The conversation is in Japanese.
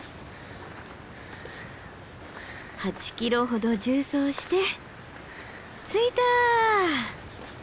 ８ｋｍほど縦走して着いた。